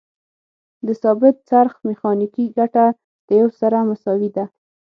د ثابت څرخ میخانیکي ګټه د یو سره مساوي ده.